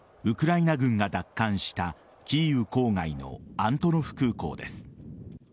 ウクライナ軍が奪還したキーウ郊外のアントノフ空港です。